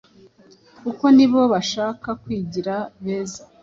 kuko nibo bashaka kwigira beza.